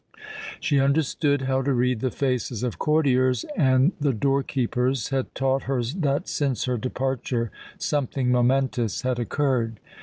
She understood how to read the faces of courtiers, and the door keeper's had taught her that since her departure something momentous had occurred.